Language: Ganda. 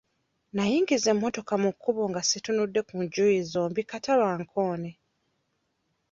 Nayingiza emmotoka mu kkubo nga situnudde ku njuyi zombi kata bankoone.